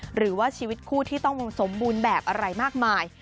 หรือว่าชีวิตคู่ที่ต้องสมบูรณ์แบบอะไรมากมาย